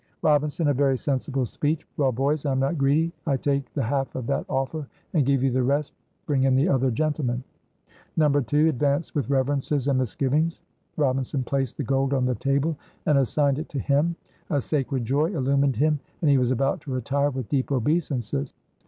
Robinson. "A very sensible speech! Well, boys, I'm not greedy; I take the half of that offer, and give you the rest bring in the other gentleman!" No. 2 advanced with reverences and misgivings. Robinson placed the gold on the table and assigned it to him. A sacred joy illumined him, and he was about to retire with deep obeisances.